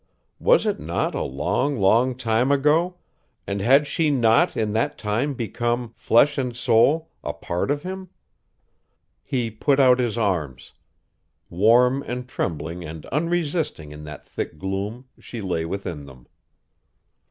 Was it not a long, long time ago, and had she not in that time become, flesh and soul, a part of him? He put out his arms. Warm and trembling and unresisting in that thick gloom she lay within them.